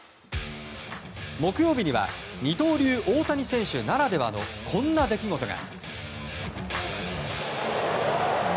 木曜日には二刀流、大谷選手ならではのこんな出来事が。